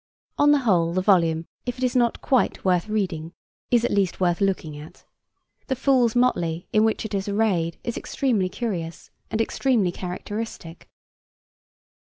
On the whole, the volume, if it is not quite worth reading, is at least worth looking at. The fool's motley in which it is arrayed is extremely curious and extremely characteristic.